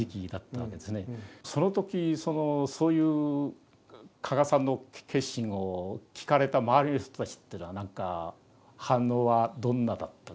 その時そのそういう加賀さんの決心を聞かれた周りの人たちっていうのはなんか反応はどんなだったでしょうか？